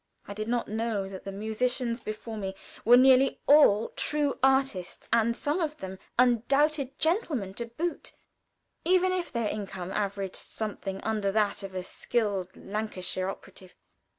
I did not know that the musicians before me were nearly all true artists, and some of them undoubted gentlemen to boot, even if their income averaged something under that of a skilled Lancashire operative.